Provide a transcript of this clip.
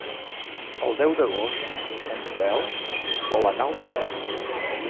El deu d'agost en Joel vol anar al metge.